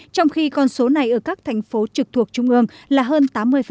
trong khi con số này ở các thành phố trực thuộc trung ương là hơn tám mươi